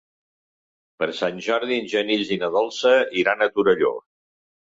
Per Sant Jordi en Genís i na Dolça iran a Torelló.